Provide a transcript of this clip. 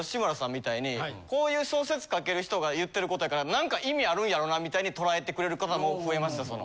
こういう小説書ける人が言ってることやから何か意味あるんやろなみたいに捉えてくれる方も増えました。